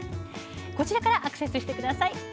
こちらからアクセスしてください。